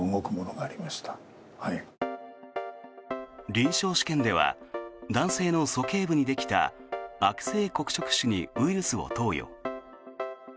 臨床試験では男性の鼠径部にできた悪性黒色腫にウイルスを投与。